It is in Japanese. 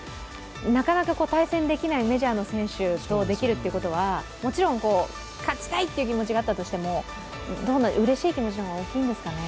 なかなか対戦できないメジャーの選手とできるっていうことはもちろん、勝ちたいという気持ちがあったとしてもうれしい気持ちの方が大きいんですかね？